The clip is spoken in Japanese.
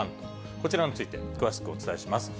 こちらについて詳しくお伝えします。